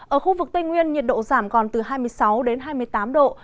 ở khu vực tây nguyên nhiệt độ giảm còn từ hai mươi sáu hai mươi tám độ